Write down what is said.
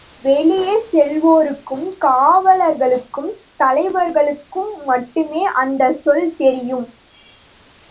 வெளியே செல்வோருக்கும் காவலர்களுக்கும், தலைவர்களுக்கும் மட்டுமே அந்தச் சொல் தெரியும்.